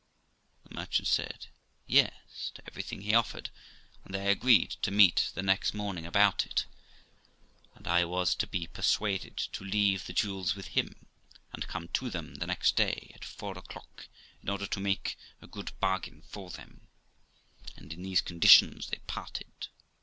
The merchant said, ' Yes ' to everything he offered, and they agreed to meet the next morning about it, and I was to be persuaded to leave the jewels with him, and come to them the next day at four o'clock in order to make a good bargain for them; and on these conditions they parted.